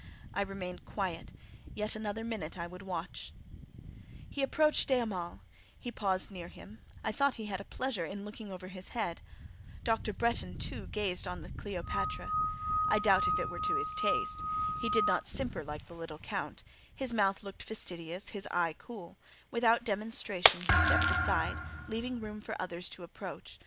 I remained quiet; yet another minute I would watch. He approached de Hamal; he paused near him; I thought he had a pleasure in looking over his head; Dr. Bretton, too, gazed on the Cleopatra. I doubt if it were to his taste: he did not simper like the little Count; his mouth looked fastidious, his eye cool; without demonstration he stepped aside, leaving room for others to approach.